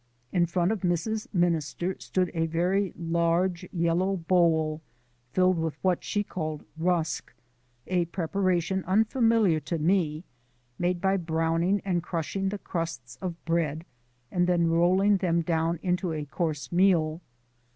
In front of Mrs. Minister stood a very large yellow bowl filled with what she called rusk a preparation unfamiliar to me, made by browning and crushing the crusts of bread and then rolling them down into a coarse meal.